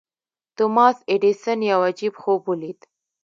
توماس ايډېسن يو عجيب خوب وليد.